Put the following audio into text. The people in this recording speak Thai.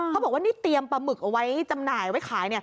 เขาบอกว่านี่เตรียมปลาหมึกเอาไว้จำหน่ายไว้ขาย